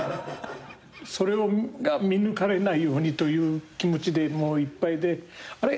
それを見抜かれないようにという気持ちでいっぱいであれ？